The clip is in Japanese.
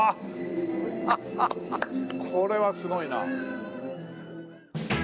ハハハこれはすごいな。